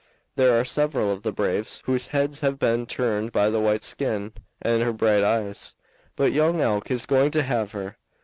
There are several of the braves whose heads have been turned by the white skin and her bright eyes, but Young Elk is going to have her.